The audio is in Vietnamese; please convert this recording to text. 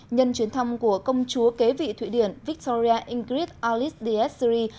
nhân chuyến thăm của công chúa kế vị thụy điển victoria ingrid alice d essery